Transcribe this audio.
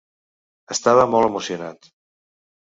Estava molt emocionat.